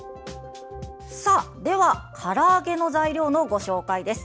から揚げの材料のご紹介です。